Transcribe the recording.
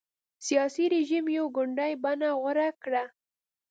سیاسي رژیم یې یو ګوندي بڼه غوره کړه.